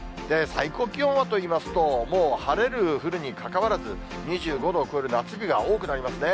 最高気温はといいますと、もう晴れる、降るにかかわらず、２５度を超える夏日が多くなりますね。